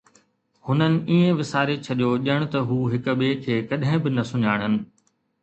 هنن ائين وساري ڇڏيو ڄڻ ته هو هڪ ٻئي کي ڪڏهن به نه سڃاڻن